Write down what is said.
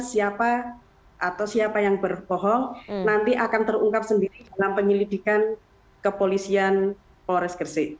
siapa atau siapa yang berbohong nanti akan terungkap sendiri dalam penyelidikan kepolisian polres gresik